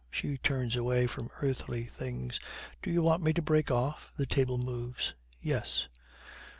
She turns away from earthly things. 'Do you want me to break off?' The table moves. 'Yes.